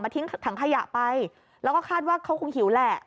ทิ้งถังขยะไปแล้วก็คาดว่าเขาคงหิวแหละ